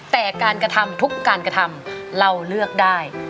แต่การกระทำทุกการกระทำเราเลือกได้